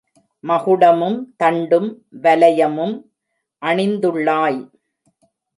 மகுடமும், தண்டும், வலயமும் அணிந்துள்ளாய்.